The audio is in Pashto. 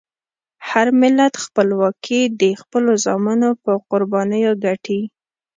هر ملت خپلواکي د خپلو زامنو په قربانیو ګټي.